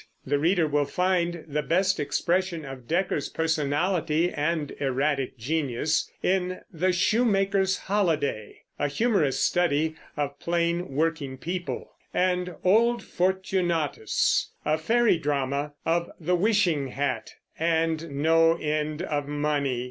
The reader will find the best expression of Dekker's personality and erratic genius in The Shoemakers' Holiday, a humorous study of plain working people, and Old Fortunatus, a fairy drama of the wishing hat and no end of money.